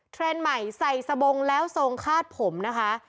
เทรนด์ใหม่ใส่สบงแล้วทรงคาดผมนะคะ